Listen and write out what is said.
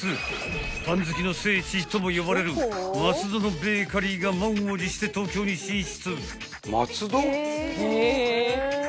［パン好きの聖地とも呼ばれる松戸のベーカリーが満を持して東京に進出］